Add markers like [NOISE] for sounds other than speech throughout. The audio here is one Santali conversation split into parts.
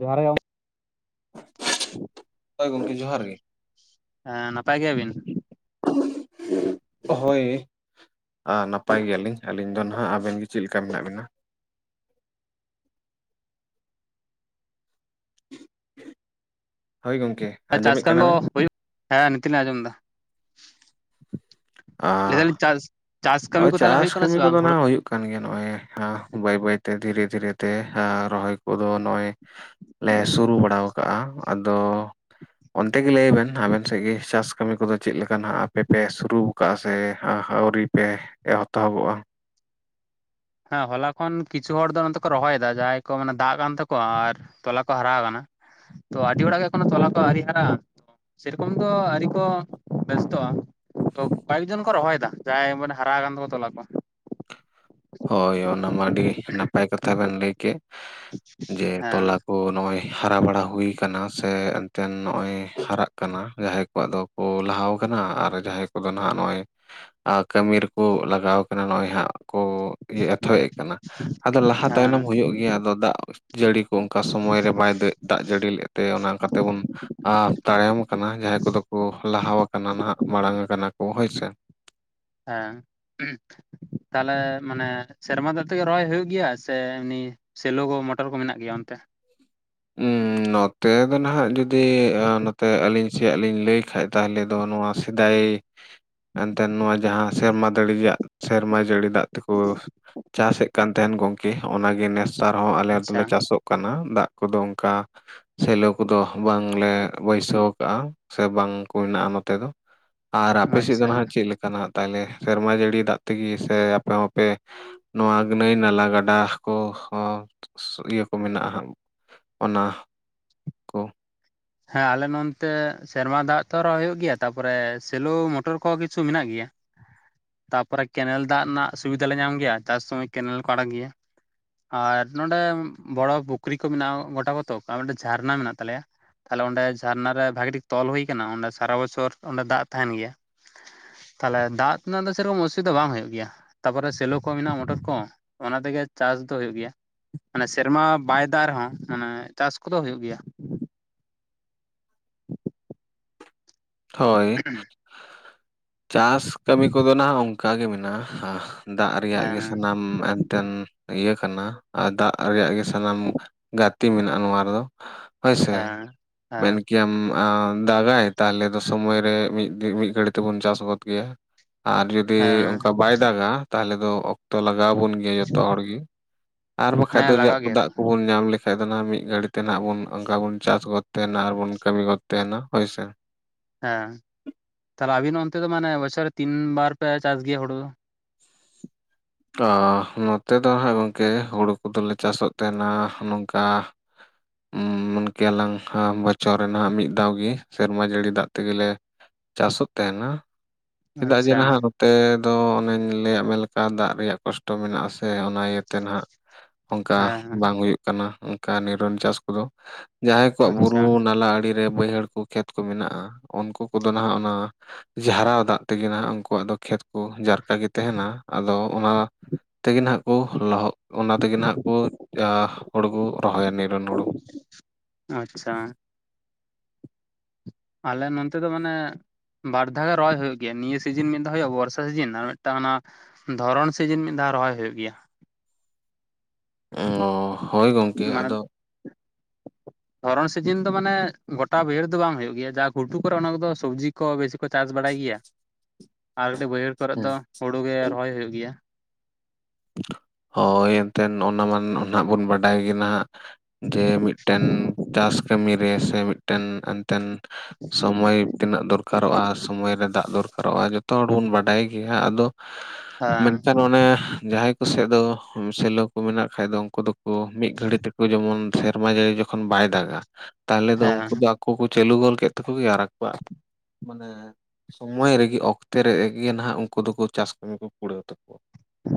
ᱡᱚᱦᱟᱨ ᱜᱮ ᱦᱳᱭ ᱜᱚᱝᱠᱮ ᱡᱚᱦᱟᱨ ᱜᱮ᱾ ᱦᱮᱸ ᱱᱟᱯᱟᱭ ᱜᱮᱭᱟᱵᱤᱱ? ᱦᱳᱭ᱾ ᱟᱨ ᱱᱟᱯᱟᱭ ᱜᱮᱭᱟᱞᱤᱧ ᱟᱹᱞᱤᱧ ᱫᱚ ᱱᱟᱦᱟᱸᱜ, ᱟᱵᱮᱱ ᱜᱮ ᱪᱮᱫ ᱞᱮᱠᱟ ᱢᱮᱱᱟᱜ ᱵᱤᱱᱟ? ᱦᱳᱭ ᱜᱚᱢᱠᱮ᱾ ᱪᱟᱥ ᱟᱸᱡᱚᱢᱮᱫ ᱠᱟᱹᱢᱤ ᱠᱟᱱᱟ ᱫᱚ ᱵᱮᱱ ᱦᱩᱭᱩᱜ ᱦᱮᱸ ᱱᱤᱛ ᱞᱤᱧ ᱟᱸᱡᱚᱢ ᱫᱟ᱾ ᱞᱟᱹᱭ ᱟᱨ ᱫᱟᱞᱤᱧ ᱪᱟᱥ ᱪᱟᱥ ᱠᱟᱹᱢᱤ ᱱᱚᱜᱼᱚᱭ ᱠᱚ ᱛᱟᱦᱚᱞᱮ ᱪᱟᱥ ᱦᱩᱭᱩᱜ ᱠᱟᱱᱟ ᱠᱟᱹᱢᱤ ᱥᱮ ᱵᱟᱝ ᱠᱚᱫᱚ ᱦᱩᱲᱳ ᱱᱟᱦᱟᱜ ᱦᱩᱭᱩᱜ ᱠᱟᱱ ᱜᱮᱭᱟ ᱱᱚᱜᱼᱚᱭ ᱦᱟᱸᱜ ᱵᱟᱹᱭ ᱵᱟᱹᱭᱛᱮ ᱫᱷᱤᱨᱮ ᱫᱷᱤᱨᱮ ᱛᱮ ᱟ ᱨᱚᱦᱚᱭ ᱠᱚᱫᱚ ᱱᱚᱜᱼᱚᱭ ᱞᱮ ᱥᱩᱨᱩ ᱵᱟᱲᱟ ᱠᱟᱜᱼᱟ ᱟᱫᱚ ᱚᱱᱛᱮ ᱜᱮ ᱞᱟᱹᱭᱵᱮᱱ ᱟᱵᱮᱱ ᱥᱮᱫ ᱜᱮ ᱪᱟᱥ ᱠᱟᱹᱢᱤ ᱠᱚᱫᱚ ᱪᱮᱫ ᱞᱮᱠᱟᱱᱟᱜ ᱟᱯᱮᱯᱮ ᱥᱩᱨᱩ ᱠᱟᱜᱼᱟ ᱥᱮ ᱟ ᱟᱹᱣᱨᱤ ᱯᱮ ᱮᱛᱚᱦᱚᱵᱚᱜᱼᱟ? ᱦᱮᱸ ᱦᱚᱞᱟ ᱠᱷᱚᱱ ᱠᱤᱪᱷᱩ ᱦᱚᱲ ᱫᱚ ᱱᱚᱛᱮ ᱠᱚ ᱨᱚᱦᱚᱭᱫᱟ ᱡᱟᱦᱟᱸᱭ ᱠᱚ ᱢᱟᱱᱮ ᱫᱟᱜ ᱠᱟᱱ ᱛᱟᱠᱚᱣᱟ, ᱟᱨ ᱛᱚᱞᱟ ᱠᱚ ᱦᱟᱨᱟ ᱠᱟᱱᱟ, ᱛᱚ ᱟᱹᱰᱤ ᱦᱚᱲᱟᱜ ᱜᱮ ᱮᱠᱷᱚᱱᱳ ᱛᱚᱞᱟ ᱠᱚ ᱟᱹᱣᱨᱤ ᱦᱟᱨᱟᱜᱼᱟ, ᱛᱚ ᱥᱮᱨᱚᱠᱚᱢ ᱫᱚ ᱟᱣᱨᱤ ᱠᱚ ᱵᱮᱥᱛᱚᱜᱼᱟ, ᱛᱚ ᱠᱚᱭᱮᱠ ᱡᱚᱱ ᱠᱚ ᱨᱚᱦᱚᱭ ᱫᱟ ᱡᱟᱦᱟᱸᱭ ᱢᱟᱱᱮ ᱦᱟᱨᱟ ᱟᱠᱟᱱ ᱛᱟᱠᱚ ᱛᱚᱞᱟ ᱠᱚ᱾ ᱦᱳᱭ ᱚᱱᱟᱢᱟ ᱟᱹᱰᱤ ᱱᱟᱯᱟᱭ ᱠᱟᱛᱷᱟ ᱵᱮᱱ ᱞᱟᱹᱭ ᱠᱮᱜ, ᱡᱮ ᱦᱮᱸ ᱛᱚᱞᱟ ᱠᱚ ᱱᱚᱜᱼᱚᱭ ᱦᱟᱨᱟ ᱵᱟᱲᱟ ᱦᱩᱭ ᱠᱟᱱᱟ, ᱥᱮ ᱮᱱᱛᱮ ᱱᱚᱜᱼᱚᱭ ᱦᱟᱨᱟᱜ ᱠᱟᱱᱟ ᱡᱟᱦᱟᱸᱭ ᱠᱚᱣᱟᱜ ᱫᱚ ᱠᱚ ᱞᱟᱦᱟᱣ ᱠᱟᱱᱟ ᱟᱨ ᱡᱟᱦᱟᱸᱭ ᱠᱚᱫᱚ ᱱᱟᱦᱟᱸᱜ ᱱᱚᱜᱼᱚᱭ ᱟᱨ ᱠᱟᱹᱢᱤ ᱨᱮᱠᱚ ᱞᱟᱜᱟᱣ ᱠᱟᱱᱟ ᱱᱚᱜᱼᱚᱭ ᱦᱟᱸᱜ ᱠᱚ ᱮᱛᱷᱚ ᱮᱜ ᱠᱟᱱᱟ ᱟᱫᱚ ᱞᱟᱦᱟ ᱛᱟᱭᱱᱚᱢ ᱦᱮᱸ ᱦᱩᱭᱩᱜ ᱜᱮᱭᱟ ᱟᱫᱚ ᱫᱟᱜ ᱡᱟᱹᱲᱤ ᱠᱚ ᱚᱝᱠᱟ ᱥᱚᱢᱚᱭ ᱨᱮ ᱵᱟᱭ ᱫᱟᱹ ᱫᱟᱜ ᱡᱟᱹᱲᱤ ᱞᱮᱫ ᱛᱮ ᱚᱱᱮ ᱚᱝᱠᱟ ᱛᱮᱵᱚᱱ ᱟᱨ ᱛᱟᱭᱚᱢ ᱠᱟᱱᱟ ᱡᱟᱦᱟᱸᱭ ᱠᱚᱫᱚ ᱠᱚ ᱞᱟᱦᱟᱣᱟ ᱠᱟᱱᱟ ᱱᱟᱦᱟᱸᱜ ᱢᱟᱲᱟᱝ ᱠᱟᱱᱟ ᱠᱚ ᱦᱳᱭ ᱥᱮ᱾ ᱦᱮᱸ, ᱩᱸ ᱛᱟᱦᱞᱮ ᱢᱟᱱᱮ ᱥᱮᱨᱢᱟ ᱫᱟᱜ ᱛᱮᱜᱮ ᱨᱚᱦᱚᱭ ᱦᱩᱭᱩᱜ ᱜᱮᱭᱟ ᱥᱮ ᱮᱢᱱᱤ ᱥᱮᱞᱳ ᱠᱚ ᱢᱚᱴᱚᱨ ᱠᱚ ᱢᱮᱱᱟᱜ ᱜᱮᱭᱟ ᱚᱱᱛᱮ? ᱩᱸᱻ, ᱱᱚᱛᱮ ᱫᱚ ᱱᱷᱟᱜ ᱡᱩᱫᱤ ᱱᱚᱛᱮ ᱟᱹᱞᱤᱧ ᱪᱮ ᱟᱹᱞᱤᱧ ᱞᱟᱹᱭ ᱠᱷᱟᱡ ᱛᱟᱦᱞᱮ ᱫᱚ ᱱᱚᱶᱟ ᱥᱮᱫᱟᱭ ᱮᱱᱛᱮᱫ ᱱᱚᱶᱟ ᱡᱟᱦᱟᱸ ᱥᱮᱨᱢᱟ ᱫᱟᱹᱲᱤ ᱨᱮᱭᱟᱜ ᱥᱮᱨᱢᱟ ᱡᱟᱹᱲᱤ ᱫᱟᱜ ᱛᱮᱠᱚ ᱪᱟᱥ ᱮᱫ ᱠᱟᱱ ᱛᱟᱦᱮᱱ ᱜᱚᱝᱠᱮ᱾ ᱚᱱᱟᱜᱮ ᱱᱮᱥ ᱟᱨᱦᱚᱸ ᱟᱞᱮ ᱟᱪᱪᱷᱟ ᱛᱚᱞᱮ ᱪᱟᱥᱚᱜ᱾ ᱠᱟᱱᱟ ᱫᱟᱜ ᱠᱚᱫᱚ ᱚᱱᱠᱟ᱾ ᱥᱮᱞᱟᱹᱣ ᱠᱚᱫᱚ ᱵᱟᱝᱞᱮ ᱵᱟᱹᱭᱥᱟᱹᱣ ᱠᱟᱜᱼᱟ ᱥᱮ ᱵᱟᱝ ᱠᱚ ᱦᱮᱱᱟᱜ-ᱟ ᱱᱚᱛᱮ ᱫᱚ᱾ ᱟᱨ ᱟᱯᱮ ᱥᱮᱫ ᱫᱚ ᱟᱪᱪᱷᱟ ᱦᱟᱸᱜ ᱪᱮᱫ ᱞᱮᱠᱟᱱᱟ ᱛᱟᱦᱞᱮ ᱥᱮᱨᱢᱟ ᱡᱟᱹᱲᱤ ᱫᱟᱜ ᱛᱮᱜᱮ ᱥᱮ ᱟᱯᱮ ᱦᱚᱸᱯᱮ ᱱᱚᱶᱟ ᱱᱟᱹᱭ ᱱᱟᱞᱟ ᱜᱟᱰᱟ ᱠᱚ ᱦᱚᱸ ᱤᱭᱟᱹ ᱠᱚ ᱢᱮᱱᱟᱜᱼᱟ ᱚᱱᱟ ᱠᱚ ᱦᱮᱸ ᱟᱞᱮ ᱱᱚᱱᱛᱮ ᱥᱮᱨᱢᱟ ᱫᱟᱜ ᱛᱚ ᱨᱚᱦᱚᱭ ᱦᱩᱭᱩᱜ ᱜᱮᱭᱟ, ᱛᱟᱯᱚᱨᱮ ᱥᱮᱞᱩ ᱢᱚᱴᱚᱨ ᱠᱚᱦᱚᱸ ᱠᱤᱪᱷᱩ ᱢᱮᱱᱟᱜ ᱜᱮᱭᱟ ᱾ ᱛᱟᱯᱚᱨᱮ ᱠᱮᱱᱮᱞ ᱫᱟᱜ ᱨᱮᱱᱟᱜ ᱥᱩᱵᱤᱫᱷᱟ ᱞᱮ ᱧᱟᱢ ᱜᱮᱭᱟ ᱾ ᱪᱟᱥ ᱥᱚᱢᱚᱭ ᱠᱮᱱᱮᱞ ᱠᱚ ᱟᱲᱟᱜ ᱜᱮᱭᱟ᱾ ᱟᱨ ᱱᱚᱸᱰᱮ ᱵᱚᱲᱚ ᱯᱩᱠᱷᱨᱤ ᱠᱚ ᱢᱮᱱᱟᱜᱼᱟ ᱜᱚᱴᱟ ᱠᱚ ᱛᱚ, ᱚᱠᱟ ᱢᱤᱫᱴᱤᱜ ᱡᱷᱟᱨᱱᱟ ᱢᱮᱱᱟᱜ ᱛᱟᱞᱮᱭᱟ᱾ ᱛᱟᱦᱞᱮ ᱚᱸᱰᱮ ᱡᱷᱟᱨᱱᱟ ᱨᱮ ᱵᱷᱟᱹᱜᱤ ᱴᱷᱤᱠ ᱛᱚᱞ ᱦᱩᱭ ᱟᱠᱟᱱᱟ, ᱚᱸᱰᱮ ᱥᱟᱨᱟ ᱵᱚᱪᱷᱚᱨ ᱚᱸᱰᱮ ᱫᱟᱜ ᱛᱟᱦᱮᱱ ᱜᱮᱭᱟ᱾ ᱛᱟᱦᱞᱮ ᱫᱟᱜ ᱨᱮᱱᱟᱜ ᱫᱚ ᱥᱮᱨᱚᱠᱚᱢ ᱚᱥᱩᱵᱤᱫᱷᱟ ᱵᱟᱝ ᱦᱩᱭᱩᱜ ᱜᱮᱭᱟ᱾ ᱛᱟᱯᱚᱨᱮ ᱥᱮᱞᱚ ᱠᱚ ᱢᱮᱱᱟᱜᱼᱟ ᱢᱚᱴᱚᱨ ᱠᱚ ᱚᱱᱟ ᱛᱮᱜᱮ ᱪᱟᱥ ᱫᱚ ᱦᱩᱭᱩᱜ ᱜᱮᱭᱟ᱾ ᱢᱟᱱᱮ ᱥᱮᱨᱢᱟ ᱵᱟᱭ ᱫᱟᱜ ᱨᱮᱦᱚᱸ ᱢᱟᱱᱮ ᱪᱟᱥ ᱠᱚᱫᱚ ᱦᱩᱭᱩᱜ ᱜᱮᱭᱟ᱾ ᱦᱳᱭ᱾ ᱪᱟᱥ ᱠᱟᱹᱢᱤ ᱠᱚ ᱫᱚ ᱱᱷᱟᱜ ᱚᱱᱠᱟᱜ ᱜᱮ ᱢᱮᱱᱟᱜᱼᱟ ᱦᱟᱦ ᱫᱟᱜ ᱨᱮᱭᱟᱜ ᱜᱮ ᱦᱮᱸ ᱥᱟᱱᱟᱢ ᱴᱮᱱ ᱤᱭᱟᱹ ᱠᱟᱱᱟ ᱟᱨ ᱫᱟᱜ ᱨᱮᱭᱟᱜ ᱜᱮ ᱥᱟᱱᱟᱢ ᱜᱟᱛᱮ ᱢᱮᱱᱟᱜᱼᱟ ᱱᱚᱶᱟ ᱨᱮᱫᱚ᱾ ᱦᱳᱭ ᱥᱮ, ᱦᱮᱸ ᱦᱮᱸ ᱢᱮᱱ ᱠᱮᱭᱟᱢ ᱟᱸ ᱫᱟᱜᱟᱭ ᱛᱟᱦᱞᱮ ᱥᱚᱢᱚᱭ ᱨᱮ ᱢᱤᱫ ᱫᱤ ᱢᱤᱫ ᱜᱷᱟᱹᱲᱤᱠ ᱛᱮᱵᱚᱱ ᱪᱟᱥ ᱜᱚᱫ ᱜᱮᱭᱟ ᱟᱨ ᱡᱩᱫᱤ ᱦᱮᱸ ᱚᱱᱠᱟ ᱵᱟᱭ ᱫᱟᱜᱟ ᱛᱟᱦᱞᱮ ᱫᱚ ᱚᱠᱛᱚ ᱞᱟᱜᱟᱣ ᱟᱵᱚᱱ ᱜᱮᱭᱟ ᱡᱚᱛᱚ ᱦᱚᱲ ᱜᱮ ᱟᱨ ᱵᱟᱠᱷᱟᱡ ᱦᱮᱸ ᱫᱚ ᱡᱟᱜ ᱞᱟᱜᱟᱜ ᱠᱚ ᱜᱮᱭᱟ ᱛᱚ ᱫᱟᱜ ᱠᱚ ᱵᱚᱱ ᱧᱟᱢ ᱞᱮᱠᱷᱟᱡ ᱫᱚ ᱱᱷᱟᱜ ᱢᱤᱫ ᱜᱷᱟᱹᱲᱤ ᱛᱮ ᱱᱷᱟᱜ ᱵᱚᱱ ᱚᱱᱠᱟ ᱵᱚᱱ ᱪᱟᱥ ᱜᱚᱫ ᱛᱟᱦᱮᱱᱟ ᱟᱨᱵᱚᱱ ᱠᱟᱹᱢᱤ ᱜᱚᱫ ᱛᱟᱦᱮᱱᱟ ᱦᱳᱭ ᱥᱮ᱾ ᱦᱮᱸ᱾ ᱛᱟᱦᱞᱮ ᱟᱵᱤᱱ ᱚᱱᱛᱮ ᱫᱚ ᱢᱟᱱᱮ ᱵᱚᱪᱷᱚᱨ ᱨᱮ ᱛᱤᱱ ᱵᱟᱨ ᱯᱮ ᱪᱟᱥ ᱜᱮᱭᱟ ᱦᱩᱲᱩ ᱫᱚ? ᱟ ᱱᱚᱛᱮ ᱫᱚ ᱦᱟᱸᱜ ᱜᱚᱝᱠᱮ ᱦᱩᱲᱩ ᱠᱚ ᱫᱚᱞᱮ ᱪᱟᱥᱚᱜ ᱛᱟᱦᱮᱱᱟ ᱱᱚᱝᱠᱟ ᱢᱮᱱ ᱠᱮᱭᱟᱞᱟᱝ ᱵᱚᱪᱷᱚ ᱨᱮ ᱱᱷᱟᱜ ᱢᱤᱫ ᱫᱷᱟᱣ ᱜᱮ ᱥᱮᱨᱢᱟ ᱡᱟᱹᱲᱤ ᱫᱟᱜ ᱛᱮᱜᱮ ᱞᱮ ᱪᱟᱥᱚᱜ ᱛᱟᱦᱮᱱᱟ, ᱪᱮᱫᱟᱜ ᱡᱮ ᱟᱪᱪᱷᱟ ᱦᱮᱸ ᱱᱷᱟᱜ ᱱᱚᱛᱮ ᱫᱚ ᱚᱱᱮᱧ ᱞᱟᱹᱭᱟᱫ ᱢᱮ ᱞᱮᱠᱟ ᱫᱟᱜ ᱨᱮᱭᱟᱜ ᱠᱚᱥᱴᱚ ᱢᱮᱱᱟᱜᱼᱟ ᱥᱮ ᱚᱱᱟ ᱤᱭᱟᱹᱛᱮ ᱱᱷᱟᱜ ᱚᱱᱠᱟ ᱦᱮᱸ ᱵᱟᱝ ᱦᱩᱭᱩᱜ ᱚᱱᱠᱟ ᱱᱤᱨᱚᱱ ᱪᱟᱥ ᱠᱚᱫᱚ᱾ ᱡᱟᱦᱟᱸᱭ ᱠᱚᱣᱟᱜ ᱵᱩᱨᱩ ᱟᱪᱪᱷᱟ ᱱᱟᱞᱟ ᱟᱹᱰᱤ ᱨᱮ ᱵᱟᱹᱭᱦᱟᱹᱲ ᱠᱚ ᱠᱷᱮᱛ ᱠᱚ ᱢᱮᱱᱟᱜᱼᱟ, ᱩᱱᱠᱩ ᱠᱚᱫᱚ ᱱᱷᱟᱜ ᱚᱱᱟ ᱡᱷᱟᱨᱟᱣ ᱫᱟᱜ ᱛᱮᱜᱮ ᱱᱷᱟᱜ ᱩᱱᱠᱩᱣᱟᱜ ᱫᱚ ᱠᱷᱮᱛ ᱠᱚ ᱡᱟᱨᱠᱟ ᱜᱮ ᱛᱟᱦᱮᱱᱟ᱾ ᱟᱫᱚ ᱚᱱᱟ ᱛᱮᱜᱮ ᱱᱷᱟᱜ ᱠᱚ ᱞᱚᱦᱚᱫ ᱚᱱᱟ ᱛᱮᱜᱮ ᱱᱷᱟᱜ ᱠᱚ ᱟ ᱦᱩᱲᱩ ᱠᱚ ᱨᱚᱦᱚᱭᱟ ᱱᱤᱨᱚᱱ ᱦᱩᱲᱩ᱾ ᱟᱪᱪᱷᱟ᱾ ᱟᱞᱮ ᱱᱚᱱᱛᱮ ᱫᱚ ᱢᱟᱱᱮ ᱵᱟᱨ ᱫᱷᱟᱣ ᱨᱚᱦᱚᱭ ᱦᱩᱭᱩᱜ ᱜᱮᱭᱟ ᱱᱤᱭᱟᱹ ᱥᱤᱡᱤᱱ ᱢᱤᱫ ᱫᱷᱟᱣ ᱦᱩᱭᱩᱜᱼᱟ ᱵᱚᱨᱥᱟ ᱥᱤᱡᱤᱱ ᱟᱨ ᱢᱤᱫᱴᱟᱝ ᱚᱱᱟ ᱫᱷᱚᱨᱚᱱ ᱥᱤᱡᱤᱱ ᱢᱤᱫ ᱫᱷᱟᱣ ᱨᱚᱦᱚᱭ ᱦᱩᱭᱩᱜ ᱜᱮᱭᱟ᱾ ᱚ ᱦᱳᱭ ᱜᱚᱝᱠᱮ, ᱟᱫᱚ [INAUDIBLE] ᱫᱷᱚᱨᱚᱱ ᱥᱤᱡᱤᱱ ᱫᱚ ᱢᱟᱱᱮ ᱜᱚᱴᱟ ᱵᱟᱹᱭᱦᱟᱹᱲ ᱫᱚ ᱵᱟᱝ ᱦᱩᱭᱩᱜ ᱜᱮᱭᱟ, ᱡᱟᱦᱟᱸ ᱜᱷᱩᱴᱩ ᱠᱚᱨᱮ ᱚᱱᱟ ᱠᱚᱫᱚ ᱥᱚᱵᱽᱡᱤ ᱠᱚ ᱵᱮᱥᱤ ᱠᱚ ᱪᱟᱥ ᱵᱟᱲᱟᱭ ᱜᱮᱭᱟ, ᱟᱨ ᱠᱟᱹᱴᱤᱡ ᱵᱟᱹᱭᱦᱟᱹᱲ ᱠᱚᱨᱮ ᱦᱩᱸ ᱫᱚ ᱦᱩᱲᱩ ᱜᱮ ᱨᱚᱦᱚᱭ ᱦᱩᱭᱩᱜ ᱜᱮᱭᱟ᱾ ᱦᱳᱭ ᱮᱱᱛᱮᱱ, ᱚᱱᱟ ᱢᱟᱱ ᱚ ᱱᱷᱟᱜ ᱵᱚᱱ ᱵᱟᱰᱟᱭ ᱜᱮ ᱱᱷᱟᱜ ᱡᱮ ᱢᱤᱫᱴᱟᱹᱱ ᱪᱟᱥ ᱠᱟᱹᱢᱤ ᱨᱮ ᱥᱮ ᱢᱤᱫᱴᱟᱹᱱ ᱴᱟᱹᱱ ᱥᱚᱢᱚᱭ ᱛᱤᱱᱟᱹᱜ ᱫᱚᱨᱠᱟᱨᱚᱜᱼᱟ, ᱥᱚᱢᱚᱭ ᱨᱮ ᱫᱟᱜ ᱫᱚᱨᱠᱟᱨᱚᱜᱼᱟ ᱡᱚᱛ ᱛᱚ ᱦᱚᱲ ᱵᱚᱱ ᱵᱟᱰᱟᱭ ᱜᱮᱭᱟ, ᱟᱫᱚ ᱦᱮᱸ ᱢᱮᱱᱠᱷᱟᱱ ᱚᱱᱮ ᱡᱟᱦᱟᱸᱭ ᱠᱩ ᱥᱮᱫ ᱫᱚ ᱥᱮᱞᱚ ᱠᱚ ᱢᱮᱱᱟᱜ ᱠᱷᱟᱡ ᱫᱚ ᱩᱱᱠᱩ ᱫᱚᱠᱚ ᱢᱤᱫ ᱜᱷᱟᱹᱲᱤ ᱛᱮᱠᱚ ᱡᱮᱢᱚᱱ ᱥᱮᱨᱢᱟ ᱡᱟᱹᱲᱤ ᱡᱚᱠ ᱠᱷᱚᱱ ᱵᱟᱭ ᱫᱟᱜᱟ ᱛᱟᱦᱚᱞᱮ ᱫᱚ ᱩᱱᱠᱩ ᱦᱮᱸ ᱫᱚ ᱟᱠᱚ ᱠᱚ ᱪᱟᱹᱞᱩ ᱜᱚᱞ ᱠᱮᱫ ᱛᱟᱠᱚ ᱜᱮ ᱟᱨ ᱟᱠᱚᱣᱟᱜ ᱢᱟᱱᱮ ᱦᱮᱸᱻᱥᱚᱢᱚᱭ ᱨᱮᱜᱮ ᱚᱠᱛᱮ ᱨᱮᱜᱮ ᱱᱟᱦᱟᱜ ᱩᱱᱠᱩ ᱫᱚᱠᱚ ᱪᱟᱥ ᱠᱟᱹᱢᱤ ᱠᱚ ᱠᱩᱲᱟᱹᱣ ᱛᱟᱠᱚᱣᱟ᱾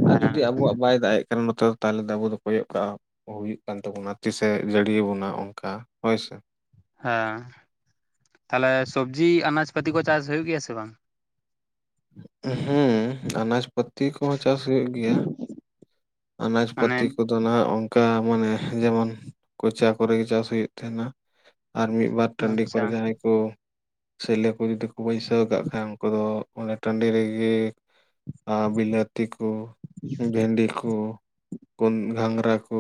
ᱟᱨ ᱦᱮᱸ ᱡᱩᱫᱤ ᱟᱵᱚᱣᱟᱜ ᱵᱟᱭ ᱫᱟᱜ ᱮᱜ ᱠᱟᱱ ᱱᱚᱛᱮ᱾ ᱛᱟᱦᱚᱞᱮ ᱫᱚ ᱟᱵᱚ ᱫᱚ ᱠᱚᱭᱚᱜ ᱠᱟᱜᱼᱟ ᱦᱩᱭᱩᱜ ᱠᱟᱱ ᱛᱟᱵᱚᱱᱟ ᱛᱤᱥᱮ ᱡᱟᱹᱲᱤᱭᱟᱵᱚᱱᱟ ᱚᱱᱠᱟ ᱦᱳᱭ ᱥᱮ? ᱦᱮᱸ, ᱛᱟᱦᱚᱞᱮ ᱥᱚᱵᱽᱡᱤ ᱟᱱᱟᱡ ᱯᱟᱹᱛᱤ ᱠᱚ ᱪᱟᱥ ᱦᱩᱭᱩᱜ ᱜᱮᱭᱟ ᱥᱮ ᱵᱟᱝ? ᱦᱮᱸ, ᱟᱱᱟᱡ ᱯᱟᱹᱛᱤ ᱠᱚᱦᱚᱸ ᱪᱟᱥ ᱦᱩᱭᱩᱜ ᱜᱮᱭᱟ᱾ ᱟᱱᱟᱡ ᱢᱟᱱᱮ ᱯᱟᱹᱛᱤ ᱠᱚᱫᱚ ᱱᱟᱦᱟᱜ ᱚᱱᱠᱟ ᱢᱟᱱᱮ ᱡᱮᱢᱚᱱ ᱠᱚᱪᱟ ᱠᱚᱨᱮᱜᱮ ᱪᱟᱥ ᱦᱩᱭᱩᱜ ᱛᱟᱦᱮᱱᱟ, ᱟᱨ ᱢᱤᱫ ᱵᱟᱨ ᱴᱟᱺᱰᱤ ᱟᱪᱪᱷᱟ ᱠᱚᱨᱮ ᱡᱟᱦᱟᱸᱭ ᱠᱚ ᱥᱮᱞᱳ ᱠᱚ ᱡᱩᱫᱤ ᱵᱟᱹᱭᱥᱟᱹᱣ ᱠᱟᱜ ᱠᱷᱟᱡ ᱩᱱᱠᱩ ᱫᱚ ᱚᱱᱮ ᱴᱟᱹᱰᱤ ᱨᱮᱜᱮ ᱟ ᱵᱤᱞᱟᱹᱛᱤ ᱠᱚ ᱵᱷᱮᱱᱰᱤ ᱠᱚ ᱠᱩᱱ ᱜᱷᱟᱸᱝᱨᱟ ᱠᱚ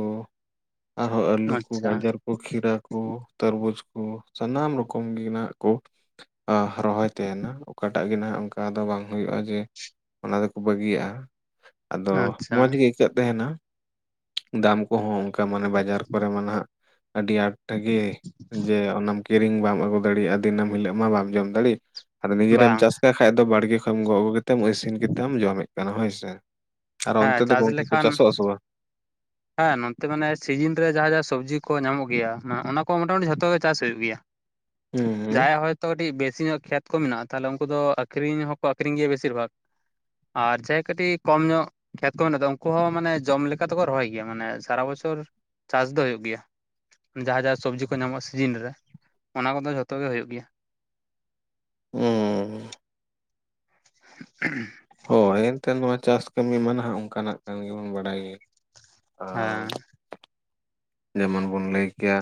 ᱟᱨᱦᱚᱸ ᱟᱹᱞᱩ ᱠᱚ ᱟᱪᱪᱷᱟ ᱜᱟᱡᱚᱨ ᱠᱚ ᱠᱚ ᱠᱷᱤᱨᱟᱹ ᱠᱚ ᱛᱟᱨᱵᱩᱡ ᱠᱚ ᱥᱟᱱᱟᱢ ᱨᱚᱠᱚᱢ ᱜᱤ ᱱᱟᱦᱟᱜ ᱠᱚ ᱨᱚᱦᱚᱭ ᱛᱮᱦᱮᱱᱟ ᱚᱠᱟᱴᱟᱜ ᱜᱮ ᱦᱟᱜ ᱚᱱᱠᱟ ᱫᱚ ᱵᱟᱝ ᱦᱩᱭᱩᱜᱼᱟ ᱡᱮ ᱚᱱᱟ ᱫᱚᱠᱚ ᱵᱟᱹᱜᱤᱭᱟᱜᱼᱟ, ᱟᱫᱚ ᱢᱚᱡᱽ ᱟᱪᱪᱷᱟ ᱜᱮ ᱟᱹᱭᱠᱟᱹᱜ ᱛᱟᱦᱮᱱᱟ᱾ ᱫᱟᱢ ᱠᱚᱦᱚᱸ ᱚᱱᱠᱟ ᱢᱟᱱᱮ ᱵᱟᱡᱟᱨ ᱠᱚᱨᱮ ᱢᱟ ᱱᱟᱦᱟᱜ ᱟᱹᱰᱤ ᱟᱸᱴ ᱜᱮ ᱡᱮ ᱚᱱᱟᱢ ᱠᱤᱨᱤᱧ ᱵᱟᱢ ᱟᱹᱜᱩ ᱫᱟᱲᱤᱭᱟᱜᱼᱟ, ᱫᱤᱱᱟᱹᱢ ᱦᱤᱞᱳᱜ ᱢᱟ ᱵᱟᱢ ᱡᱚᱢ ᱫᱟᱲᱤᱜ᱾ ᱟᱫᱚ ᱱᱤᱡᱮᱨᱮᱢ ᱵᱟᱝ ᱪᱟᱥ ᱞᱮ ᱠᱷᱟᱡ ᱫᱚ ᱵᱟᱲᱜᱮ ᱠᱷᱚᱱ ᱮᱢ ᱜᱚᱜ ᱟᱹᱜᱩ ᱠᱟᱛᱮᱢ ᱤᱥᱤᱱ ᱠᱟᱛᱮᱢ ᱡᱚᱢᱮᱜ ᱠᱟᱱᱟ, ᱦᱳᱭᱥᱮ? ᱟᱨ ᱚᱱᱛᱮ ᱦᱮᱸ ᱫᱚ ᱪᱟᱥ ᱜᱚᱝᱠᱮ ᱠᱚ ᱞᱮᱠᱷᱟᱱ ᱪᱟᱥᱚᱜ ᱟᱥᱮ ᱵᱟᱝ? ᱦᱮᱸ, ᱱᱚᱱᱛᱮ ᱢᱟᱱᱮ ᱥᱤᱡᱤᱱ ᱨᱮ ᱡᱟᱦᱟᱸ ᱡᱟᱦᱟᱸ ᱥᱚᱵᱽᱡᱤ ᱠᱚ ᱧᱟᱢᱚᱜ ᱜᱮᱭᱟ, ᱚᱱᱟ ᱠᱚ ᱢᱚᱴᱟ ᱢᱩᱴᱤ ᱡᱷᱚᱛᱚ ᱜᱮ ᱪᱟᱥ ᱦᱩᱭᱩᱜ ᱜᱮᱭᱟ᱾ ᱦᱩᱸ ᱦᱩᱸ ᱡᱟᱦᱟᱭᱟᱜ ᱦᱚᱭᱛᱚ ᱠᱟᱴᱤᱡ ᱵᱮᱥᱤ ᱧᱚᱜ ᱠᱷᱮᱛ ᱠᱚ ᱢᱮᱱᱟᱜᱼᱟ, ᱛᱟᱦᱚᱞᱮ ᱩᱱᱠᱩ ᱫᱚ ᱟᱠᱷᱨᱤᱧ ᱦᱚᱸᱠᱚ ᱟᱠᱷᱨᱤᱧ ᱜᱮᱭᱟ ᱵᱮᱥᱤᱨ ᱵᱷᱟᱜ᱾ ᱟᱨ ᱡᱟᱦᱟᱭ ᱠᱟᱹᱴᱤᱡ ᱠᱚᱢ ᱧᱚᱜ ᱠᱷᱮᱛ ᱠᱚ ᱢᱮᱱᱟᱜᱫᱟ ᱩᱱᱠᱩ ᱦᱚᱸ ᱢᱟᱱᱮ ᱡᱚᱢ ᱞᱮᱠᱟ ᱫᱚᱠᱚ ᱨᱚᱦᱚᱭ ᱜᱮᱭᱟ, ᱢᱟᱱᱮ ᱥᱟᱨᱟ ᱵᱚᱪᱷᱚᱨ ᱪᱟᱥ ᱫᱚ ᱦᱩᱭᱩᱜ ᱜᱮᱭᱟ᱾ ᱡᱟᱦᱟᱸ ᱡᱟᱦᱟᱸ ᱥᱚᱵᱽᱡᱤ ᱠᱚ ᱧᱟᱢᱚᱜᱼᱟ ᱥᱤᱡᱤᱱ ᱨᱮ ᱚᱱᱟ ᱠᱚᱫᱚ ᱡᱷᱚᱛᱚ ᱜᱮ ᱦᱩᱭᱩᱜ ᱜᱮᱭᱟ᱾ ᱩᱸᱻ [UNINTELLIGIBLE] ᱦᱳᱭ ᱮᱱᱛᱮ ᱱᱚᱣᱟ ᱪᱟᱥ ᱠᱟᱹᱢᱤ ᱢᱟ ᱱᱟᱦᱟᱜ ᱚᱱᱠᱟᱱᱟᱜ ᱠᱟᱱ ᱜᱮᱵᱚᱱ ᱵᱟᱲᱟᱭ ᱜᱮ, ᱟᱨ ᱦᱮᱸ ᱡᱮᱢᱚᱱ ᱵᱚᱱ ᱞᱟᱹᱭ ᱠᱮᱭᱟ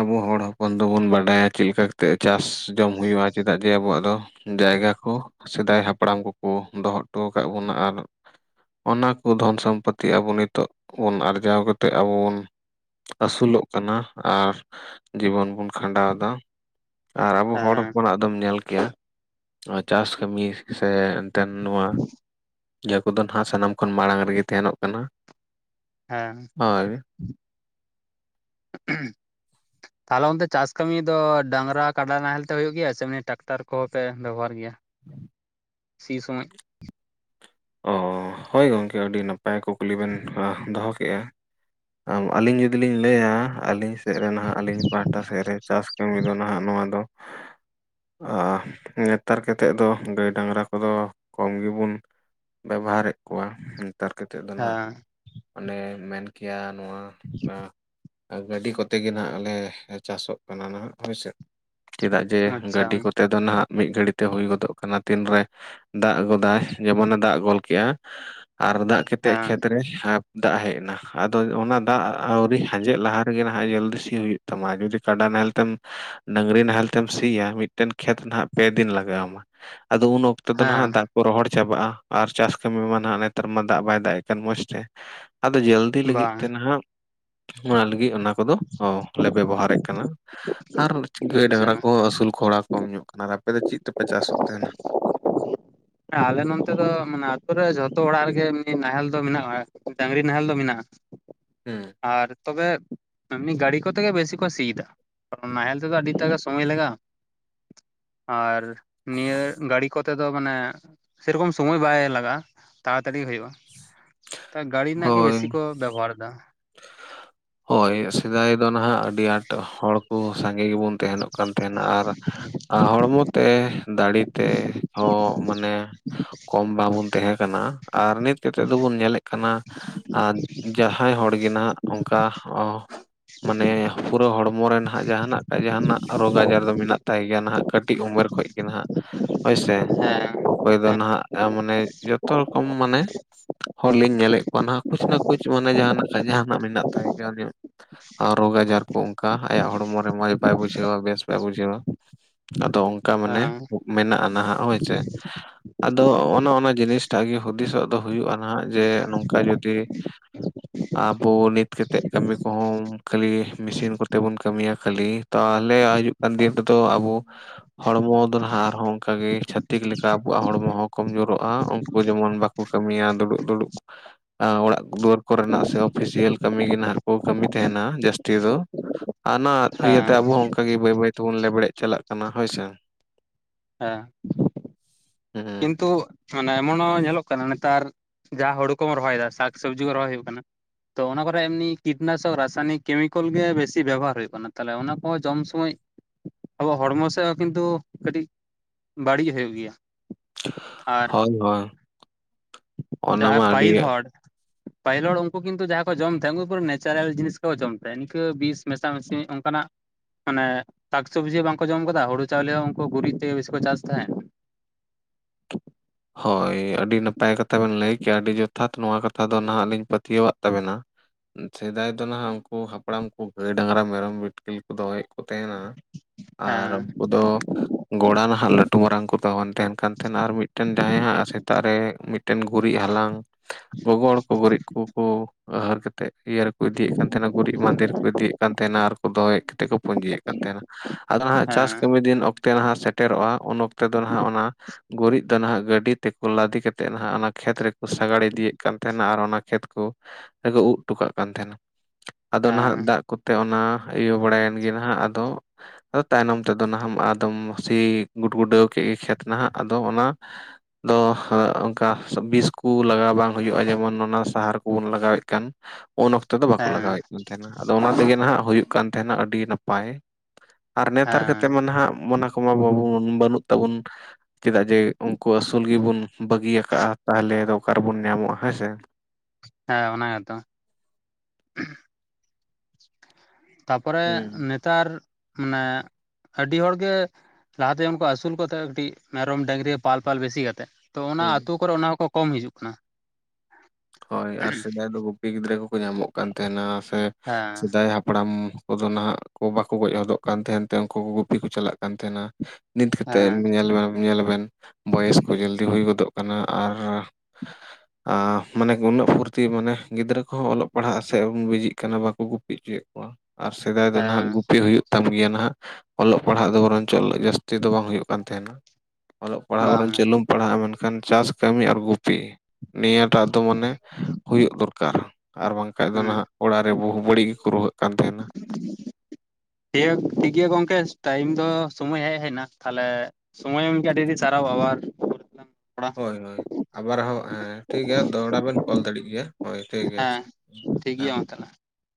ᱟᱵᱚ ᱦᱚᱲ ᱦᱚᱯᱚᱱ ᱫᱚᱵᱚᱱ ᱵᱟᱰᱟᱭᱟ ᱪᱤᱜ ᱞᱮᱠᱟ ᱠᱟᱛᱮ ᱪᱟᱥ ᱡᱚᱢ ᱦᱩᱭᱩᱜᱼᱟ, ᱪᱮᱫᱟᱜ ᱡᱮ ᱟᱵᱚᱣᱟᱜ ᱫᱚ ᱡᱟᱭᱜᱟ ᱠᱚ ᱥᱮᱫᱟᱭ ᱦᱟᱯᱲᱟᱢ ᱠᱚᱠᱚ ᱫᱚᱦᱚ ᱦᱚᱴᱚ ᱠᱟᱜ ᱵᱚᱱᱟ ᱟᱨ ᱚᱱᱟ ᱠᱚ ᱫᱷᱚᱱ ᱥᱚᱢᱯᱚᱛᱛᱤ ᱟᱵᱚ ᱱᱤᱛᱚᱜ ᱵᱚᱱ ᱟᱨᱡᱟᱣ ᱠᱟ ᱛᱮ ᱟᱵᱚ ᱵᱚᱱ ᱟᱥᱩᱞᱚᱜ ᱠᱟᱱᱟ ᱟᱨ ᱡᱤᱵᱚᱱ ᱵᱚᱱ ᱠᱷᱟᱸᱰᱟᱣᱫᱟ᱾ ᱟᱨ ᱟᱵᱚ ᱦᱚᱲ ᱦᱮᱸ ᱦᱚᱯᱚᱱᱟᱜ ᱫᱚᱢ ᱧᱮᱞ ᱠᱮᱜᱼᱟ ᱚᱱᱟ ᱪᱟᱥ ᱠᱟᱹᱢᱤ ᱥᱮ ᱮᱱᱛᱮᱱ ᱱᱚᱣᱟ [INAUDIBLE] ᱡᱟᱦᱟᱸ ᱠᱚᱫᱚ ᱱᱟᱦᱟᱜ ᱥᱟᱱᱟᱢ ᱠᱷᱚᱱ ᱢᱟᱲᱟᱝ ᱨᱤᱜᱤ ᱛᱟᱦᱮᱱᱚᱜ ᱠᱟᱱᱟ᱾ ᱦᱮᱸ᱾ ᱦᱳᱭ᱾ [UNINTELLIGIBLE] ᱛᱟᱦᱚᱞᱮ ᱚᱱᱛᱮ ᱪᱟᱥ ᱠᱟᱹᱢᱤ ᱫᱚ ᱰᱟᱝᱨᱟ ᱠᱟᱰᱟ ᱱᱟᱦᱮᱞ ᱛᱮ ᱦᱩᱭᱩᱜ ᱜᱮᱭᱟ, ᱥᱮ ᱮᱢᱱᱤ ᱴᱨᱟᱠᱴᱟᱨ ᱠᱚᱦᱚᱸ ᱯᱮ ᱵᱮᱵᱚᱦᱟᱨ ᱜᱮᱭᱟ? [INAUDIBLE] ᱥᱤ ᱥᱚᱢᱚᱡ? ᱚ ᱦᱳᱭ ᱜᱚᱝᱠᱮ ᱟᱹᱰᱤ ᱱᱟᱯᱟᱭ ᱠᱩᱠᱞᱤ ᱵᱮᱱ ᱟ ᱫᱚᱦᱚ ᱠᱮᱜᱼᱟ᱾ ᱟᱹᱞᱤᱧ ᱡᱩᱫᱤ ᱞᱤᱧ ᱞᱟᱹᱭᱟ, ᱟᱹᱞᱤᱧ ᱥᱮᱫ ᱨᱮ ᱱᱟᱦᱟᱜ ᱟᱹᱞᱤᱧ ᱯᱟᱦᱟᱴᱟ ᱥᱮᱫ ᱨᱮ ᱪᱟᱥ ᱠᱟᱹᱢᱤ ᱫᱚ ᱱᱟᱦᱟᱜ ᱱᱚᱣᱟ ᱫᱚ [INAUDIBLE] ᱟᱸᱻ, ᱱᱮᱛᱟᱨ ᱠᱟᱛᱮᱫ ᱫᱚ ᱜᱟᱹᱭ ᱰᱟᱝᱜᱽᱨᱟ ᱠᱚᱫᱚ ᱠᱚᱢ ᱜᱮᱵᱚᱱ ᱵᱮᱵᱚᱦᱟᱨᱮᱫ ᱠᱚᱣᱟ᱾ ᱱᱮᱛᱟᱨ ᱠᱟᱛᱮᱫ ᱫᱚ ᱱᱟᱦᱟᱜ ᱦᱮᱸ ᱚᱱᱮ ᱢᱮᱱ ᱠᱮᱭᱟ᱾ ᱱᱚᱣᱟ ᱜᱟᱹᱰᱤ ᱠᱚᱛᱮ ᱜᱮ ᱱᱟᱦᱟᱜ ᱞᱮ ᱪᱟᱥᱚᱜ ᱠᱟᱱᱟ ᱱᱟᱜ ᱦᱳᱭᱥᱮ᱾ ᱪᱮᱫᱟᱜ ᱡᱮ, ᱟᱪᱪᱷᱟ ᱜᱟᱹᱰᱤ ᱠᱚᱛᱮ ᱱᱟᱦᱟᱜ ᱢᱤᱫ ᱜᱷᱟᱹᱲᱤ ᱛᱮ ᱦᱩᱭ ᱜᱚᱫᱚᱜ ᱠᱟᱱᱟ᱾ ᱛᱤᱱ ᱨᱮ ᱫᱟᱜ ᱜᱚᱫᱟᱭ ᱡᱮᱢᱚᱱ ᱫᱟᱜ ᱜᱚᱫ ᱠᱮᱫᱮᱜᱼᱟ ᱟᱨ ᱫᱟᱜ ᱠᱟᱛᱮᱫ ᱦᱮᱸ ᱠᱷᱮᱛ ᱨᱮ ᱫᱟᱜ ᱦᱮᱡ ᱮᱱᱟ᱾ ᱟᱫᱚ ᱚᱱᱟ ᱫᱟᱜ ᱟᱹᱣᱨᱤ ᱟᱡᱮᱫ ᱞᱟᱦᱟ ᱨᱮᱜᱮ ᱱᱟᱦᱟᱜ ᱡᱚᱞᱫᱤᱥᱤ ᱦᱩᱭᱩᱜ ᱛᱟᱢᱟ᱾ ᱡᱩᱫᱤ ᱠᱟᱰᱟ ᱱᱟᱦᱮᱞ ᱛᱮ ᱰᱟᱹᱜᱽᱨᱤ ᱱᱟᱦᱮᱞ ᱛᱮᱢ ᱥᱤᱭᱟ, ᱢᱤᱫᱴᱮᱱ ᱠᱷᱮᱛ ᱱᱟᱜ ᱯᱮ ᱫᱤᱱ ᱞᱟᱜᱟᱣ ᱟᱢᱟ, ᱟᱫᱚ ᱩᱱ ᱚᱠᱛᱚ ᱾ ᱱᱤᱛᱚᱜ ᱫᱚ ᱱᱟᱦᱟᱜ ᱦᱮᱸ ᱫᱟᱜ ᱠᱚ ᱨᱚᱦᱚᱲ ᱪᱟᱵᱟᱜᱼᱟ᱾ ᱟᱨ ᱪᱟᱥ ᱠᱟᱹᱢᱤ ᱢᱟ ᱱᱟᱜ ᱱᱮᱛᱟᱨ ᱢᱟ ᱫᱟᱜ ᱵᱟᱭ ᱫᱟᱜ ᱮᱜ ᱠᱟᱱ ᱢᱚᱸᱡᱽ ᱛᱮ, ᱟᱫᱚ ᱡᱚᱞ- ᱛᱤ ᱞᱟᱹᱜᱤᱫ ᱵᱟᱝ ᱛᱮ ᱱᱟᱦᱟᱜ, ᱚᱱᱟ ᱞᱟᱹᱜᱤᱫ ᱚᱱᱟ ᱠᱚᱫᱚ ᱚᱦᱚᱞᱮ ᱵᱮᱵᱚᱦᱟᱨᱮᱫ ᱠᱟᱱᱟ᱾ ᱟᱨ ᱜᱟᱹᱭ ᱟᱪᱪᱷᱟ ᱰᱟᱹᱝᱜᱽᱨᱟ ᱠᱚᱦᱚᱸ ᱟᱹᱥᱩᱞ ᱠᱚᱲᱟᱜ ᱠᱚᱢ ᱧᱚᱜ ᱠᱟᱱᱟ ᱟᱨ ᱟᱯᱮ ᱫᱚ ᱪᱮᱫ? [INAUDIBLE] ᱛᱮᱯᱮ ᱪᱟᱥᱚᱜ ᱛᱟᱦᱮᱱᱟ ᱦᱮᱸ ᱟᱞᱮ ᱱᱚᱛᱮ ᱫᱚ ᱢᱟᱱᱮ ᱟᱹᱛᱩ ᱨᱮ ᱡᱷᱚᱛᱚ ᱚᱲᱟᱜ ᱨᱮᱜᱮ ᱱᱟᱦᱮᱞ ᱫᱚ ᱢᱮᱱᱟᱜᱼᱟ, ᱰᱟᱹᱜᱽᱨᱤ ᱱᱟᱦᱮᱞ ᱫᱚ ᱢᱮᱱᱟᱜᱼᱟ᱾ ᱦᱮᱸ ᱟᱨ ᱛᱚᱵᱮ ᱮᱢᱱᱤ ᱜᱟᱹᱲᱤ ᱠᱚᱛᱮ ᱜᱮ ᱵᱮᱥᱤ ᱠᱚ ᱥᱤᱭ ᱮᱫᱟ᱾ ᱱᱟᱦᱮᱞ ᱛᱮᱫᱚ ᱟᱹᱰᱤᱴᱟᱜᱟ ᱥᱚᱢᱚᱭ ᱞᱟᱜᱟᱜᱼᱟ, ᱟᱨ ᱱᱤᱭᱟᱹ ᱜᱟᱹᱲᱤ ᱠᱚᱛᱮ ᱫᱚ ᱢᱟᱱᱮ ᱥᱮᱨᱚᱠᱚᱢ ᱥᱚᱢᱚᱭ ᱵᱟᱭ ᱞᱟᱜᱟᱜᱼᱟ᱾ ᱛᱟᱲᱟ-ᱛᱟᱲᱤ ᱦᱩᱭᱩᱜᱼᱟ᱾ ᱜᱟᱹᱲᱤ ᱨᱮᱱᱟᱜ ᱜᱮ ᱦᱳᱭ ᱵᱮᱥᱤ ᱠᱚ ᱵᱮᱵᱚᱦᱟᱨ ᱮᱫᱟ᱾ ᱦᱳᱭ ᱥᱮᱫᱟᱭ ᱫᱚ ᱱᱟᱦᱟᱜ ᱟᱹᱰᱤ ᱟᱸᱴ ᱦᱚᱲ ᱠᱚ ᱥᱟᱸᱜᱮ ᱜᱮᱵᱚᱱ ᱛᱟᱦᱮᱸᱱᱚᱜ ᱠᱟᱱ ᱛᱟᱦᱮᱱᱟ ᱟᱨ ᱦᱚᱲᱢᱚ ᱛᱮ ᱫᱟᱲᱮ ᱛᱮ ᱦᱚᱸ ᱢᱟᱱᱮ ᱠᱚᱢ ᱵᱟᱵᱚᱱ ᱛᱟᱦᱮᱸ ᱠᱟᱱᱟ, ᱟᱨ ᱱᱤᱛ ᱠᱟᱛᱮᱫ ᱫᱚᱵᱚᱱ ᱧᱮᱞᱮᱫ ᱠᱟᱱᱟ ᱟᱨ ᱡᱟᱦᱟᱸᱭ ᱦᱚᱲ ᱜᱮ ᱱᱟᱦᱟᱸᱜ ᱚᱱᱠᱟ ᱢᱟᱱᱮ ᱯᱩᱨᱟᱹ ᱦᱚᱲᱢᱚ ᱨᱮ ᱱᱟᱦᱟᱜ ᱡᱟᱦᱟᱱᱟᱜ ᱵᱟᱝ ᱡᱟᱦᱟᱱᱟᱜ ᱨᱳᱜᱽ ᱟᱡᱟᱨ ᱫᱚ ᱢᱮᱱᱟᱜ ᱛᱟᱭ ᱜᱮᱭᱟ, ᱱᱟᱦᱟᱜ ᱠᱟᱹᱴᱤᱡ ᱩᱢᱮᱨ ᱠᱷᱚᱡᱽ ᱱᱟᱦᱟᱜ ᱦᱳᱭ ᱥᱮ ᱦᱮᱸ ᱚᱠᱚᱭ ᱫᱚ ᱱᱟᱦᱟᱜ ᱢᱟᱱᱮ ᱡᱚᱛᱚ ᱨᱚᱠᱚᱢ ᱢᱟᱱᱮ ᱦᱚᱲᱞᱤᱧ ᱧᱮᱞᱮᱫ ᱠᱚᱣᱟ᱾ ᱱᱟᱜ ᱠᱩᱪ ᱱᱟ ᱠᱩᱪ ᱢᱟᱱᱮ ᱡᱟᱦᱟᱱᱟᱜ ᱡᱟᱦᱟᱱᱟᱜ ᱢᱮᱱᱟᱜ ᱛᱟᱭ ᱜᱮᱭᱟ᱾ ᱟᱨ ᱨᱳᱜᱽ ᱟᱡᱟᱨ ᱠᱚ ᱚᱱᱠᱟ, ᱟᱭᱟᱜ ᱦᱚᱲᱢᱚ ᱨᱮ ᱢᱚᱸᱡᱽ ᱵᱟᱭ ᱵᱩᱡᱷᱟᱹᱣᱟ, ᱵᱮᱥ ᱵᱟᱭ ᱵᱩᱡᱷᱟᱹᱣᱟ᱾ ᱟᱫᱚ ᱚᱱᱠᱟ ᱢᱟᱱᱮ ᱦᱮᱸ ᱢᱮᱱᱟᱜᱼᱟ, ᱱᱟᱦᱟᱜ ᱦᱳᱭ ᱥᱮ᱾ ᱟᱫᱚ ᱚᱱᱚ ᱚᱱᱟ ᱡᱤᱱᱤᱥᱴᱟᱜ ᱜᱮ ᱦᱩᱫᱤᱥᱚᱜ ᱫᱚ ᱦᱩᱭᱩᱜᱼᱟ, ᱟᱜ ᱡᱮ ᱱᱚᱝᱠᱟ ᱡᱩᱫᱤ ᱟᱵᱚ ᱱᱤᱛ ᱠᱟᱛᱮᱫ ᱠᱟᱹᱢᱤ ᱠᱚᱦᱚᱸ ᱠᱷᱟᱹᱞᱤ ᱢᱮᱥᱤᱱ ᱠᱚᱛᱮ ᱵᱚᱱ ᱠᱟᱹᱢᱤᱭᱟ ᱠᱷᱟᱹᱞᱤ ᱛᱟᱦᱞᱮ ᱦᱤᱡᱩᱜ ᱠᱟᱱ ᱫᱤᱱ ᱨᱮᱫᱚ ᱟᱵᱚ ᱦᱚᱲᱢᱚ ᱫᱚ ᱱᱟᱦᱟᱜ ᱟᱨᱦᱚᱸ ᱚᱱᱠᱟ ᱜᱮ ᱪᱷᱟᱹᱛᱤᱠ ᱞᱮᱠᱟ ᱟᱵᱚᱣᱟᱜ ᱦᱚᱲᱢᱚ ᱦᱚᱸ ᱠᱚᱢᱡᱚᱨᱚᱜᱼᱟ᱾ ᱡᱮᱢᱚᱱ ᱵᱟᱠᱚ ᱠᱟᱹᱢᱤᱭᱼᱟ᱾ ᱫᱩᱲᱩᱵ ᱫᱩᱲᱩᱵ ᱚᱲᱟᱜ ᱫᱩᱣᱟᱹᱨ ᱠᱚᱨᱮᱱᱟᱜ ᱥᱮ ᱚᱯᱷᱤᱥᱤᱭᱟᱞ ᱠᱟᱹᱢᱤ ᱜᱮ ᱱᱟᱦᱟᱜ ᱠᱚ ᱠᱟᱹᱢᱤ ᱛᱟᱦᱮᱱᱟ᱾ ᱡᱟᱹᱥᱛᱤ ᱫᱚ ᱚᱱᱟ ᱤᱭᱟᱹ ᱛᱮ ᱦᱮᱸ ᱟᱵᱚ ᱚᱱᱠᱟ ᱜᱮ ᱵᱟᱹᱭ ᱵᱟᱹᱭ ᱛᱮᱵᱚᱱ ᱞᱮᱵᱲᱮᱫ ᱪᱟᱞᱟᱜ ᱠᱟᱱᱟ, ᱦᱳᱭ ᱥᱮ᱾ ᱦᱮᱸ, ᱦᱩᱸ ᱠᱤᱱᱛᱩ ᱢᱟᱱᱮ ᱮᱢᱚᱱ ᱦᱚᱸ ᱧᱮᱞᱚᱜ ᱠᱟᱱᱟ᱾ ᱱᱮᱛᱟᱨ ᱡᱟᱦᱟᱸ ᱦᱳᱲᱩ ᱠᱚᱢ ᱨᱚᱦᱚᱭ ᱮᱫᱟ, ᱥᱟᱠᱥᱚᱵᱽᱡᱤ ᱠᱚ ᱨᱚᱦᱚᱭ ᱦᱩᱭᱩᱜ ᱠᱟᱱᱟ᱾ ᱛᱚ ᱚᱱᱟ ᱠᱚᱨᱮ ᱮᱢᱱᱤ ᱠᱤᱴᱱᱟᱥᱚ ᱨᱟᱥᱟᱭᱱᱤᱠ ᱠᱮᱢᱤᱠᱚᱞ ᱜᱮ ᱵᱮᱥᱤ ᱵᱮᱵᱚᱦᱟᱨ ᱦᱩᱭᱩᱜ ᱠᱟᱱᱟ᱾ ᱛᱟᱦᱞᱮ ᱚᱱᱟ ᱠᱚᱦᱚᱸ ᱡᱚᱢ ᱥᱚᱢᱚᱭ ᱟᱵᱚᱣᱟᱜ ᱦᱚᱲᱢᱚ ᱥᱮᱫ ᱦᱚᱸ ᱠᱤᱱᱛᱩ ᱠᱟᱹᱴᱤᱡ ᱵᱟᱹᱲᱤᱡ ᱦᱩᱭᱩᱜ ᱜᱮᱭᱟ᱾ ᱟᱨ ᱦᱳᱭ ᱦᱚ᱾ ᱡᱟᱦᱟᱸᱭ ᱯᱟᱹᱦᱤᱞ ᱦᱚᱲ, ᱯᱟᱹᱦᱤᱲ ᱦᱚᱲ ᱩᱱᱠᱩ ᱠᱤᱱᱛᱩ ᱡᱟᱦᱟᱸᱭ ᱠᱚ ᱡᱚᱢ ᱛᱟᱦᱮᱸᱜ ᱩᱝᱠᱩ ᱯᱩᱨᱟᱹ ᱱᱮᱪᱟᱨᱮᱞ ᱡᱤᱱᱤᱥ ᱠᱚ ᱡᱚᱢ ᱛᱟᱦᱮᱸᱫ, ᱱᱤᱱᱝᱠᱟᱹ ᱵᱤᱥ ᱢᱮᱥᱟ ᱢᱮᱤᱥᱤ ᱚᱝᱠᱟᱱᱟᱜ ᱢᱟᱱᱮ ᱥᱟᱠᱥᱚᱵᱽᱡᱤ ᱵᱟᱝᱠᱚ ᱡᱚᱢ ᱠᱟᱫᱟ ᱦᱩᱲᱩ ᱪᱟᱣᱞᱮ ᱦᱚᱸ ᱩᱱᱠᱩ ᱜᱩᱨᱤᱡ ᱛᱮᱜ ᱵᱤᱥᱤ ᱠᱚ ᱪᱟᱥ ᱛᱟᱦᱮᱸᱫ᱾ ᱦᱳᱭ ᱟᱹᱰᱤ ᱱᱟᱯᱟᱭ ᱠᱟᱛᱷᱟ ᱵᱮᱱ ᱞᱟᱹᱭ ᱠᱮᱜᱼᱟ, ᱟᱹᱰᱤ ᱡᱚᱛᱷᱟᱛ ᱱᱚᱣᱟ ᱠᱟᱛᱷᱟ ᱫᱚ ᱱᱟᱦᱟᱸᱜ ᱞᱤᱧ ᱯᱟᱹᱛᱭᱟᱹᱣᱟᱜ ᱛᱟᱵᱮᱱᱟ᱾ ᱥᱮᱫᱟᱭ ᱫᱚ ᱱᱟᱦᱟᱸᱜ ᱩᱝᱠᱩ ᱦᱟᱯᱲᱟᱢ ᱠᱚ ᱜᱟᱹᱭ ᱰᱟᱝᱜᱨᱟ, ᱢᱮᱨᱚᱢ, ᱵᱤᱴᱠᱤᱞ ᱠᱚ ᱫᱚᱦᱚᱭᱮᱜ ᱠᱚ ᱛᱟᱦᱮᱸᱱᱟ ᱟᱨ ᱦᱮᱸ ᱩᱝᱠᱩ ᱫᱚ ᱜᱚᱲᱟ ᱱᱟᱦᱟᱸᱜ ᱞᱟᱹᱴᱩ ᱢᱟᱨᱟᱝ ᱠᱚ ᱫᱚᱱ ᱛᱟᱦᱮᱸᱱ ᱠᱟᱱ ᱛᱟᱦᱮᱸᱱᱟ ᱟᱨ ᱢᱤᱫᱴᱟᱝ ᱡᱟᱦᱟᱸᱭ ᱥᱮᱛᱟᱜ ᱨᱮ ᱢᱤᱫᱴᱮᱱ ᱜᱩᱨᱤᱡ ᱦᱟᱞᱟᱝ ᱜᱚᱜᱚ ᱦᱚᱲ ᱠᱚ ᱜᱩᱨᱤᱡ ᱠᱚᱠᱚ ᱦᱟᱨ ᱠᱟ ᱛᱮᱜ ᱤᱭᱟᱹ ᱨᱮᱠᱚ ᱤᱫᱤᱭᱮᱫ ᱠᱟᱱ ᱛᱟᱦᱮᱸᱱᱟ ᱜᱩᱨᱤᱡ ᱵᱟᱸᱫᱮ ᱨᱮᱠᱚ ᱤᱫᱤᱭᱮᱫ ᱠᱟᱱ ᱛᱟᱦᱮᱸᱱᱟ, ᱟᱨᱠᱚ ᱫᱚᱦᱚᱭᱮᱫ ᱛᱮᱫ ᱠᱚ ᱯᱩᱸᱡᱤᱭᱮᱫ ᱠᱟᱱ ᱛᱟᱦᱮᱸᱱᱟ᱾ ᱟᱫᱚ ᱱᱟᱦᱟᱸᱜ ᱦᱮᱸ ᱪᱟᱥ ᱦᱮᱸ ᱠᱟᱹᱢᱤ ᱫᱤᱱ ᱚᱠᱛᱮ ᱱᱟᱦᱟᱸᱜ ᱥᱮᱴᱮᱨᱚᱜᱼᱟ ᱩᱱ ᱚᱠᱛᱮ ᱫᱚ ᱱᱟᱦᱟᱜ ᱚᱱᱟ ᱜᱩᱨᱤᱡ ᱱᱟᱦᱟᱸᱜ ᱜᱟᱹᱰᱤ ᱛᱮᱠᱚ ᱞᱟᱫᱮ ᱠᱟᱛᱮᱜ ᱱᱟᱦᱟᱸᱜ ᱚᱱᱟ ᱠᱷᱮᱛ ᱨᱮᱠᱚ ᱥᱟᱜᱟᱲ ᱤᱫᱤᱭᱮᱫ ᱠᱟᱱ ᱛᱟᱦᱮᱸᱱᱟ ᱟᱨ ᱚᱱᱟ ᱠᱷᱮᱛ ᱠᱚ ᱨᱮᱠᱚ ᱩᱫ ᱦᱚᱴᱚ ᱠᱟᱜ ᱠᱟᱱ ᱛᱟᱦᱮᱸᱱᱟ, ᱟᱫᱚ ᱱᱟᱦᱟᱸᱜ ᱦᱮᱸ ᱫᱟᱜ ᱠᱚᱛᱮ ᱚᱱᱟ ᱤᱭᱟᱹ ᱵᱟᱲᱟᱭᱮᱱ ᱜᱮ ᱱᱟᱦᱟᱸᱜ ᱟᱫᱚ ᱟᱫᱚ ᱛᱟᱭᱱᱚᱢ ᱛᱮᱫᱚ ᱱᱟᱦᱟᱸᱢ ᱟᱫᱚᱢ ᱥᱤ ᱜᱩᱰᱜᱩᱰᱟᱹᱣ ᱠᱮᱫ ᱜᱮ ᱠᱷᱮᱛ ᱱᱟᱦᱟᱸᱜ ᱟᱫᱚ ᱚᱱᱟ [INAUDIBLE] ᱫᱚ ᱚᱝᱠᱟ ᱵᱤᱥ ᱠᱚ ᱞᱟᱜᱟᱣ ᱵᱟᱝ ᱦᱩᱭᱩᱜᱼᱟ ᱡᱮᱢᱚᱱ ᱚᱱᱟ ᱥᱟᱦᱟᱨ ᱠᱚᱵᱚᱱ ᱞᱟᱜᱟᱣᱮᱫ ᱠᱟᱱ ᱩᱱ ᱚᱠᱛᱚ ᱫᱚ ᱵᱟᱠᱚ ᱦᱮᱸ ᱞᱟᱜᱟᱣᱮᱫ ᱠᱟᱱ ᱛᱟᱦᱮᱸᱱᱟ, ᱟᱫᱚ ᱚᱱᱟ ᱛᱮᱜᱮ ᱱᱟᱦᱟᱸᱜ ᱦᱩᱭᱩᱜ ᱠᱟᱱ ᱛᱟᱦᱮᱸᱱᱟ ᱟᱹᱰᱤ ᱱᱟᱯᱟᱭ᱾ ᱟᱨ ᱱᱮᱛᱟᱨ ᱠᱟᱛᱮᱜ ᱦᱮᱸ ᱢᱟ ᱱᱟᱦᱟᱸᱜ ᱢᱚᱱ ᱠᱚᱢᱟ ᱵᱟᱵ ᱵᱟᱹᱱᱩᱜ ᱛᱟᱵᱚᱱ, ᱪᱮᱫᱟᱜ ᱡᱮ ᱩᱝᱠᱩ ᱟᱹᱥᱩᱞ ᱜᱮᱵᱚᱱ ᱵᱟᱹᱜᱤᱭᱟ ᱠᱟᱟᱜᱼᱟ ᱛᱟᱦᱚᱞᱮ ᱫᱚ ᱚᱠᱟᱨᱮᱵᱚᱱ ᱧᱟᱢᱚᱜᱼᱟ ᱦᱮᱸ ᱥᱮ? ᱦᱮᱸ ᱚᱱᱟ ᱜᱮᱛᱚ᱾ ᱛᱟᱯᱚᱨᱮ ᱦᱩᱸ ᱱᱮᱛᱟᱨ ᱢᱟᱱᱮ ᱟᱹᱰᱤ ᱦᱚᱲ ᱜᱮ ᱞᱟᱦᱟ ᱛᱟᱭᱚᱢ ᱠᱚ ᱟᱹᱥᱩᱞ ᱠᱚ ᱛᱟᱦᱮᱸ ᱠᱟᱹᱴᱤᱡ ᱢᱮᱨᱚᱢ, ᱰᱟᱹᱝᱜᱽᱨᱤ ᱯᱟᱞᱯᱟᱞ ᱵᱮᱥᱤ ᱠᱟ ᱠᱟᱛᱮᱜ, ᱛᱚ ᱚᱱᱟ ᱦᱩᱸ ᱟᱹᱛᱩ ᱠᱚᱨᱮ ᱚᱱᱟ ᱦᱚᱸᱠᱚ ᱠᱚᱢ ᱦᱤᱡᱩᱜ ᱠᱟᱱᱟ᱾ ᱦᱳᱭ ᱟᱨ ᱦᱮᱸ ᱥᱮᱫᱟᱭ ᱫᱚ ᱜᱩᱯᱤ ᱜᱤᱫᱽᱨᱟᱹ ᱠᱚᱠᱚ ᱧᱟᱢᱚᱜ ᱠᱟᱱ ᱛᱟᱦᱮᱸᱱᱟ ᱥᱮ ᱥᱮᱫᱟᱭ ᱦᱟᱯᱲᱟᱢ ᱠᱚᱫᱚ ᱱᱟᱦᱟᱸᱜ ᱠᱚ ᱵᱟᱠᱚ ᱜᱚᱡ ᱦᱚᱫᱚᱜ ᱠᱟᱱ ᱛᱟᱦᱮᱸᱱ ᱛᱮ ᱩᱱᱠᱩ ᱠᱚ ᱜᱩᱯᱤ ᱠᱚ ᱪᱟᱞᱟᱜ ᱠᱟᱱ ᱛᱟᱦᱮᱸᱱᱟ᱾ ᱱᱤᱛ ᱠᱟᱛᱮ ᱦᱮᱸ ᱧᱮᱞ ᱢᱮ ᱟᱢ ᱧᱮᱞᱵᱮᱱ ᱵᱚᱭᱮᱥ ᱠᱚ ᱡᱟᱹᱞᱫᱤ ᱦᱩᱭ ᱜᱚᱫᱚᱜ ᱠᱟᱱᱟ, ᱟᱨ ᱢᱟᱱᱮ ᱩᱱᱟᱹᱜ ᱯᱷᱩᱨᱛᱤ ᱢᱟᱱᱮ ᱜᱤᱫᱽᱨᱟᱹ ᱠᱚᱦᱚᱸ ᱚᱞᱚᱜ ᱯᱟᱲᱦᱟᱜᱼᱟ ᱥᱮᱫ ᱵᱤᱡᱤᱜ ᱠᱟᱱᱟ ᱵᱟᱠᱚ ᱜᱩᱯᱤ ᱚᱪᱚᱭᱮᱫ ᱠᱚᱣᱟ᱾ ᱟᱨ ᱥᱮᱫᱟᱭ ᱫᱚ ᱱᱟᱦᱟᱸᱜ ᱦᱮᱸ ᱜᱩᱯᱤ ᱦᱩᱭᱩᱜ ᱛᱟᱢ ᱜᱮᱭᱟ ᱱᱟᱦᱟᱸᱜ᱾ ᱚᱞᱚᱜ ᱯᱟᱲᱦᱟᱜ ᱫᱚ ᱵᱚᱨᱚᱱ ᱪᱚ ᱡᱟᱹᱥᱛᱤ ᱫᱚ ᱵᱟᱝ ᱦᱩᱭᱩᱜ ᱠᱟᱱ ᱛᱟᱦᱮᱸᱱᱟ, ᱚᱞᱚᱜ ᱯᱟᱲᱦᱟᱜ ᱵᱚᱨᱚᱱ ᱵᱟᱝᱟ ᱪᱟᱹᱞᱩᱢ ᱯᱟᱲᱦᱟᱜ ᱢᱮᱱᱠᱷᱟᱱ ᱪᱟᱥ ᱠᱟᱹᱢᱤ ᱟᱨ ᱜᱩᱯᱤ ᱱᱤᱭᱟᱹᱴᱟᱜ ᱫᱚ ᱢᱟᱱᱮ ᱦᱩᱭᱩᱜ ᱫᱚᱨᱠᱟᱨ᱾ ᱟᱨ ᱵᱟᱝᱠᱷᱟᱡ ᱫᱚ ᱦᱩᱸ ᱱᱟᱦᱟᱸᱜ ᱚᱲᱟᱜ ᱨᱮ ᱵᱚᱦᱩ ᱵᱟᱹᱲᱤᱡ ᱜᱮᱠᱚ ᱨᱩᱣᱟᱹᱜ ᱠᱟᱱ ᱛᱟᱦᱮᱸᱱᱟ᱾ ᱴᱤᱭᱟᱹᱜ ᱴᱷᱤᱠ ᱜᱮᱭᱟ ᱜᱚᱢᱠᱮ ᱴᱟᱭᱤᱢ ᱫᱚ ᱥᱚᱢᱚᱭ ᱦᱮᱡ ᱦᱮᱡ ᱱᱟ ᱛᱟᱦᱞᱮ ᱥᱚᱢᱚᱭ ᱮᱢ ᱟᱹᱰᱤ ᱟᱹᱰᱤ ᱥᱟᱨᱟᱣᱟ ᱟᱵᱟᱨ ᱯᱚᱨᱮ ᱛᱮᱞᱟᱝ ᱨᱚᱯᱚᱲᱟ᱾ ᱦᱳᱭ ᱦᱳᱭ ᱟᱵᱟᱨ ᱦᱚᱸ ᱦᱮᱸ ᱴᱷᱤᱠᱜᱮᱭᱟ ᱫᱚᱦᱲᱟ ᱵᱮᱱ ᱠᱚᱞ ᱫᱟᱲᱮᱜ ᱜᱮᱭᱟ, ᱦᱳᱭ ᱴᱷᱤᱠ ᱜᱮᱭᱟ ᱟᱪᱪᱷᱟ᱾ ᱦᱮᱸ ᱴᱷᱤᱠ ᱜᱮᱭᱟᱢ ᱢᱟ ᱛᱟᱦᱞᱮ᱾